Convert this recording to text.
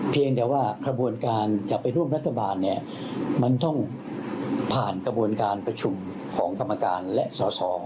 เพียงแต่ว่ากระบวนการจะไปร่วมรัฐบาลเนี่ยมันต้องผ่านกระบวนการประชุมของกรรมการและสอสอ